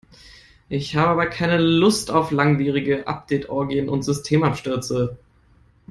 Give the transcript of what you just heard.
Ich habe aber keine Lust auf langwierige Update-Orgien und Systemabstürze.